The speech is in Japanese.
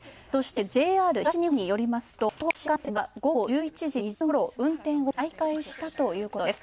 ＪＲ東日本によりますと東北新幹線は、午後１１時２０分ごろ運転を再開したということです。